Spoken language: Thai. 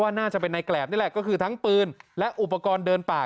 น่าจะเป็นในแกรบนี่แหละก็คือทั้งปืนและอุปกรณ์เดินป่า